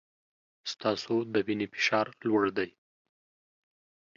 ستاسو د وینې فشار لوړ دی.